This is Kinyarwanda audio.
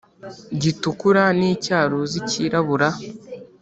gitukura n icyaruzi cyirabura